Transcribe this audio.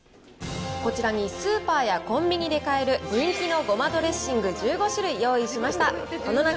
こちらにスーパーやコンビニで買える人気のごまドレッシング１５種類用意しました。